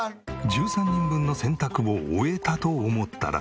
１３人分の洗濯を終えたと思ったら。